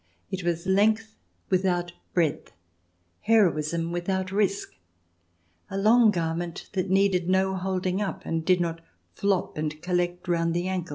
It was length without breadth, heroism without risk, a long garment that needed no holding up, and did not flop and collect round the ankles.